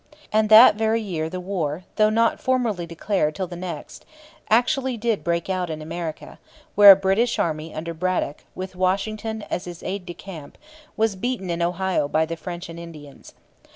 And that very year the war, though not formally declared till the next, actually did break out in America, where a British army under Braddock, with Washington as his aide de camp, was beaten in Ohio by the French and Indians.